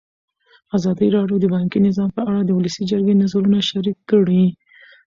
ازادي راډیو د بانکي نظام په اړه د ولسي جرګې نظرونه شریک کړي.